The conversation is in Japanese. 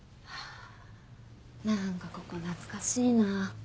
何かここ懐かしいな。